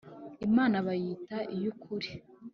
imana bayita iy’ukuri,